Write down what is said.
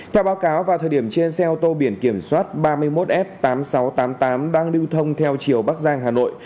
theo báo cáo vào thời điểm trên xe ô tô biển kiểm soát ba mươi một f tám nghìn sáu trăm tám mươi tám đang lưu thông theo chiều bắc giang hà nội